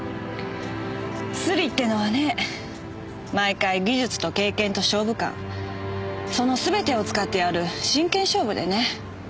スリってのはね毎回技術と経験と勝負勘そのすべてを使ってやる真剣勝負でね。